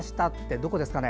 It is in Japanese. どこですかね？